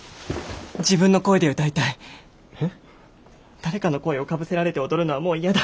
誰かの声をかぶせられて踊るのはもう嫌だ。